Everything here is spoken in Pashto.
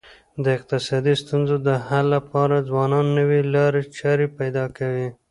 د اقتصادي ستونزو د حل لپاره ځوانان نوي لاري چاري پیدا کوي.